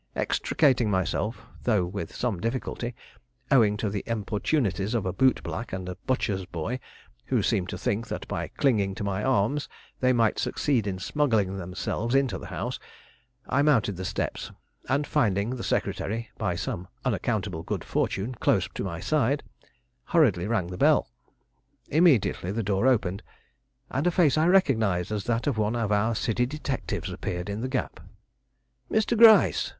Extricating myself, though with some difficulty, owing to the importunities of a bootblack and butcher boy, who seemed to think that by clinging to my arms they might succeed in smuggling themselves into the house, I mounted the steps and, finding the secretary, by some unaccountable good fortune, close to my side, hurriedly rang the bell. Immediately the door opened, and a face I recognized as that of one of our city detectives appeared in the gap. "Mr. Gryce!"